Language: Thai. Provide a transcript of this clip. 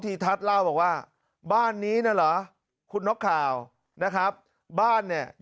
ทัศน์เล่าบอกว่าบ้านนี้น่ะเหรอคุณนกข่าวนะครับบ้านเนี่ย